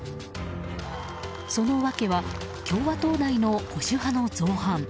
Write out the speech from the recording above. その訳は共和党内の保守派の造反。